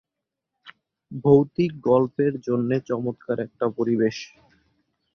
ভৌতিক গল্পের জন্যে চমৎকার একটা পরিবেশ।